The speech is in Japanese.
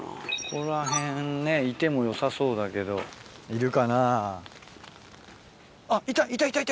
ここら辺ねいてもよさそうだけどいるかな？